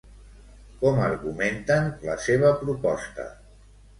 Com argumenten la seva proposta?